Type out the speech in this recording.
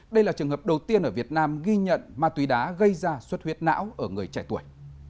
đây là trường hợp đầu tiên ở việt nam ghi nhận ma túy đá gây ra suất huyết não ở người trẻ tuổi